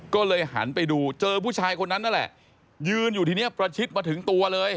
ก็เลยหันไปดูเจอผู้ชายคนนั้นนั่นแหละยืนอยู่ทีนี้ประชิดมาถึงตัวเลย